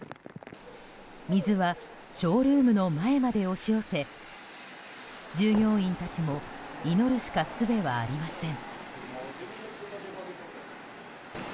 水はショールームの前まで押し寄せ従業員たちも祈るしかすべはありません。